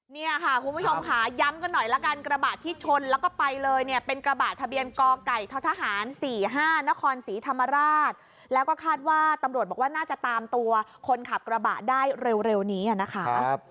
เนี่ยค่ะคุณผู้ชมค่ะย้ำกันหน่อยละกันกระบะที่ชนแล้วก็ไปเลยเนี่ยเป็นกระบะทะเบียนกไก่ททหาร๔๕นครศรีธรรมราชแล้วก็คาดว่าตำรวจบอกว่าน่าจะตามตัวคนขับกระบะได้เร็วนี้นะคะ